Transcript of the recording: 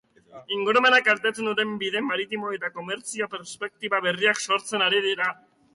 Ingurumena kaltetzen duten bide maritimo eta komertzio perspektiba berriak sortzen ari dira.